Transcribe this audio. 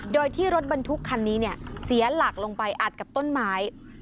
โดยที่รถบรรทุกคันนี้เนี่ยเสียหลักลงไปอัดกับต้นไม้